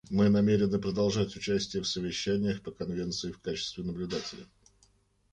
Мы намерены продолжать участие в совещаниях по Конвенции в качестве наблюдателя.